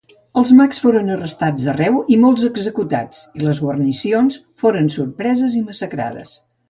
Els mags foren arrestats arreu i molts executats i les guarnicions foren sorpreses i massacrades.